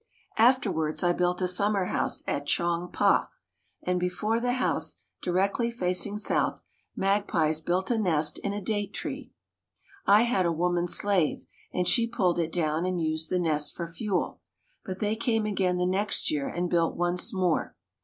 Afterwards I built a summer house at Chong pa, and before the house, directly facing south, magpies built a nest in a date tree. I had a woman slave, and she pulled it down and used the nest for fuel, but they came again the next year and built once more.